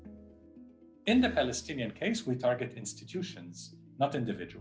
dalam hal palestina kami menarik institusi bukan individu